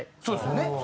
そうですよね